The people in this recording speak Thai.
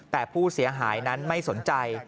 แต่ผู้เสียหายนั้นไม่สนใจ